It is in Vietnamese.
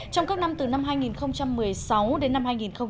trong các năm từ năm hai nghìn một mươi sáu đến năm hai nghìn một mươi tám